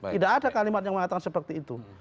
tidak ada kalimat yang mengatakan seperti itu